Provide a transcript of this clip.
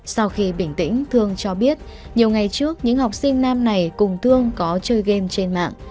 sau khi bình tĩnh thương cho biết nhiều ngày trước những học sinh nam này cùng thương có chơi game trên mạng